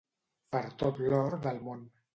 Per tot l'or del món.